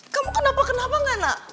kamu kenapa kenapa gak nak